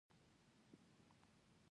مرکزي کمېټې تګلاره په رسمیت وپېژنده.